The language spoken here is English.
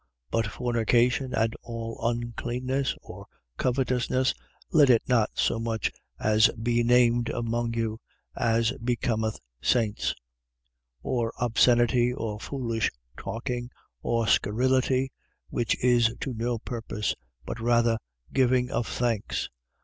5:3. But fornication and all uncleanness or covetousness, let it not so much as be named among you, as becometh saints: 5:4. Or obscenity or foolish talking or scurrility, which is to no purpose: but rather giving of thanks.